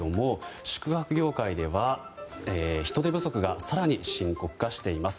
宿泊業界では人手不足が更に深刻化しています。